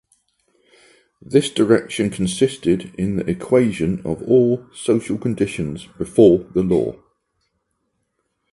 This direction consisted in the equation of all social conditions before the law.